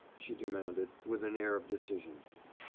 she demanded, with an air of decision.